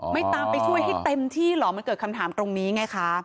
ไม่ตามไปช่วยให้เต็มที่เหรอมันเกิดคำถามตรงนี้ไงคะ